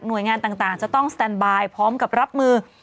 โดยงานต่างจะต้องสแตนบายพร้อมกับรับมือ